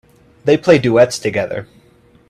They play duets together.